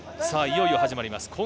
いよいよ始まります